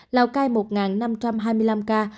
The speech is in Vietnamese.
lào cai một năm trăm hai mươi năm ca